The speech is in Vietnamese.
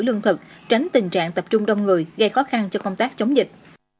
lương thực tránh tình trạng tập trung đông người gây khó khăn cho công tác chống dịch